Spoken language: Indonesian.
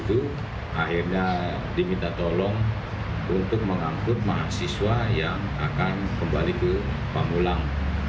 itu akhirnya diminta tolong untuk mengangkut mahasiswa yang akan kembali ke pamulang